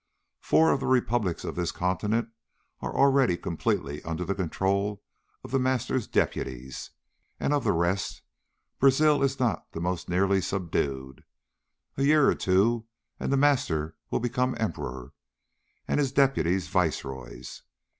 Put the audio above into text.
Four of the republics of this continent are already completely under the control of The Master's deputies, and of the rest, Brazil is not the most nearly subdued. A year or two, and The Master will become Emperor, and his deputies viceroys.